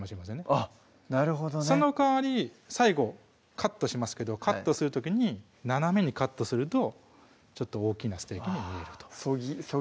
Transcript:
あっなるほどねその代わり最後カットしますけどカットする時に斜めにカットするとちょっと大きなステーキに見えると思います